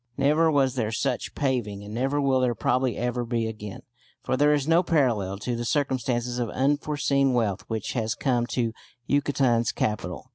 Never was there such paving, and never will there probably ever be again, for there is no parallel to the circumstances of unforeseen wealth which has come to Yucatan's capital.